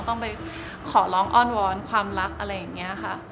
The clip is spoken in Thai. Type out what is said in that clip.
ต้องไปขอร้องอ้อนวอนความรักอะไรอย่างนี้ค่ะ